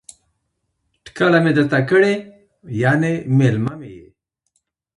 ټکله می درته کړې ،یعنی میلمه می يی